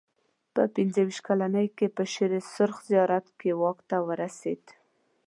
په پنځه ویشت کلنۍ کې په شېر سرخ زیارت جرګه کې واک ته ورسېد.